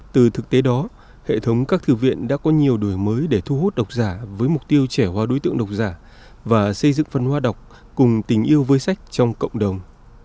từ thực tế đó hệ thống các thư viện đã có nhiều đổi mới để thu hút độc giả với mục tiêu trẻ hoa đối tượng độc giả và xây dựng văn hóa đọc cùng tình yêu với sách trong cộng đồng